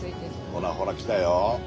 ほらほら来たよ。